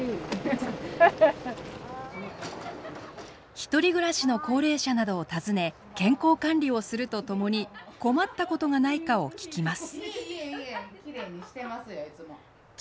独り暮らしの高齢者などを訪ね健康管理をするとともに困ったことがないかを聞きます。